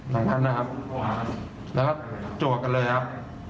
ดังนั้นนะครับแล้วก็โจกกันเลยครับ